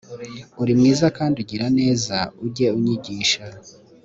uri mwiza kandi ugira neza ujye unyigisha